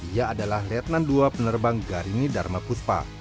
ia adalah retnan dua penerbang garini dharma puspa